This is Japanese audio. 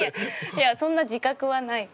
いやそんな自覚はない。